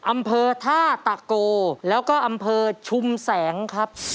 อำเภอท่าตะโกแล้วก็อำเภอชุมแสงครับ